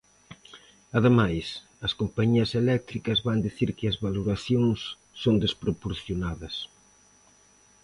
Ademais, as compañías eléctricas van dicir que as valoracións son desproporcionadas.